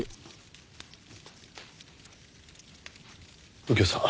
右京さん